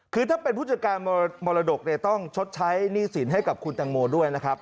คือถ้าเป็นผู้จัดการมรดกต้องชดใช้หนี้สินให้กับคุณตังโมด้วยนะครับ